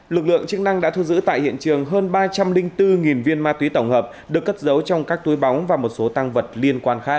lực lượng chức năng đã thu giữ tại hiện trường hơn ba trăm linh bốn viên ma túy tổng hợp được cất giấu trong các túi bóng và một số tăng vật liên quan khác